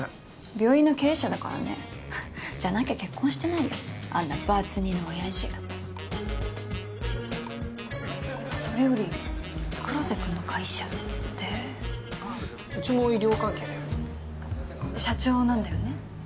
病院の経営者だからねじゃなきゃ結婚してないよあんなバツ２のオヤジそれより黒瀬君の会社ってうちも医療関係だよ社長なんだよね？